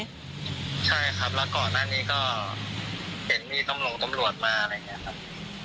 ใช่ครับแล้วก่อนหน้านี้ก็เห็นมีตำรวจมาอะไรอย่างนี้ครับ